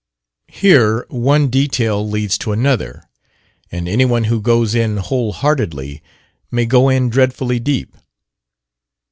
Here one detail leads to another, and anyone who goes in wholeheartedly may go in dreadfully deep.